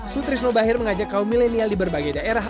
sutrisno bahir mengajak kaum milenial di berbagai daerah